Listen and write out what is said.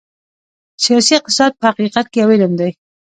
سیاسي اقتصاد په حقیقت کې یو علم دی.